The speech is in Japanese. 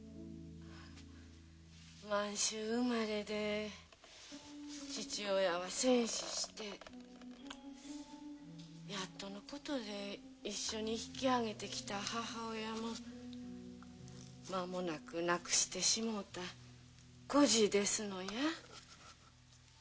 満州生まれで父親は戦死してやっとのことで一緒に引き揚げてきた母親もまもなく亡くしてしもうた孤児ですのや。